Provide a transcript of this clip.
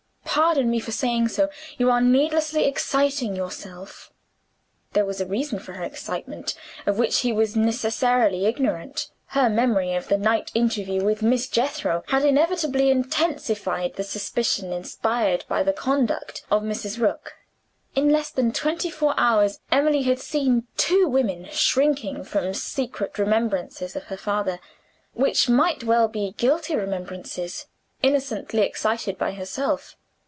Pardon me for saying so you are needlessly exciting yourself." There was a reason for her excitement, of which he was necessarily ignorant. Her memory of the night interview with Miss Jethro had inevitably intensified the suspicion inspired by the conduct of Mrs. Rook. In less than twenty four hours, Emily had seen two women shrinking from secret remembrances of her father which might well be guilty remembrances innocently excited by herself!